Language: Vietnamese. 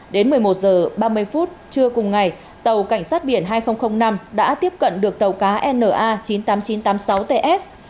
đến một mươi một h ba mươi phút trưa cùng ngày tàu cảnh sát biển hai nghìn năm đã tiếp cận được tàu cá na chín mươi tám nghìn chín trăm tám mươi sáu ts